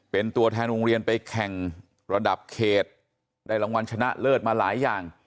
เป็นตัวแทนโรงเรียนไปแข่งระดับเขตได้รางวัลชนะเลิศมาหลายอย่าง